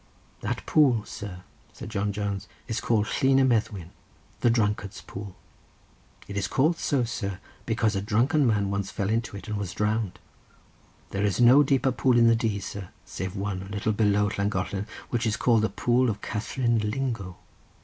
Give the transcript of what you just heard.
"That pool, sir," said John Jones, "is called Llyn y Meddwyn, the drunkard's pool. It is called so, sir, because a drunken man once fell into it, and was drowned. There is no deeper pool in the Dee, sir, save one, a little below Llangollen, which is called the pool of Catherine Lingo.